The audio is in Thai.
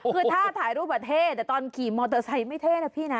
คือถ้าถ่ายรูปประเทศแต่ตอนขี่มอเตอร์ไซค์ไม่เท่นะพี่นะ